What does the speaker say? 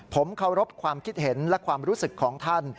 ผมเคารพความคิดเห็นและความรู้สึกของท่าน